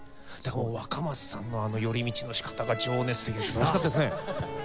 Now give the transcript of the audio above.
もう若松さんのあの寄り道の仕方が情熱的で素晴らしかったですね。